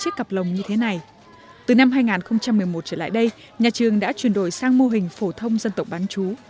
từ năm hai nghìn một mươi một trở lại đây nhà trường đã chuyển đổi sang mô hình phổ thông dân tộc bán chú